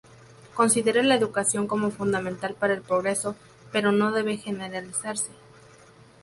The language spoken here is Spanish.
Considera la educación como fundamental para el progreso, pero no debe generalizarse.